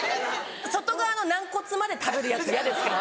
外側の軟骨まで食べるヤツ嫌ですか？